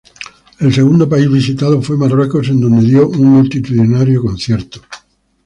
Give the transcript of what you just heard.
El segundo país visitado fue Marruecos, en donde dio un multitudinario concierto.